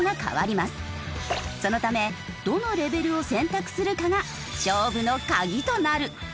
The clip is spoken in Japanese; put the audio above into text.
そのためどのレベルを選択するかが勝負の鍵となる。